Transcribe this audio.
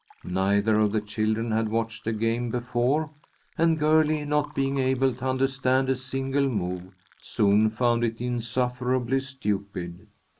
Neither of the children had watched a game before, and Girlie, not being able to understand a single move, soon found it insufferably stupid.